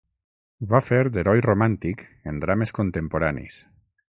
Va fer d'heroi romàntic en drames contemporanis.